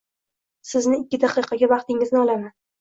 Sizni ikki daqiqaga vaqtingizni olaman.